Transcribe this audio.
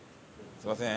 すみません。